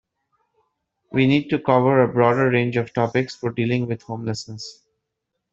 We need to cover a broader range of topics for dealing with homelessness.